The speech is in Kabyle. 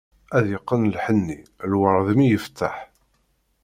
Ad yeqqen lḥenni, lwerd mi ifetteḥ.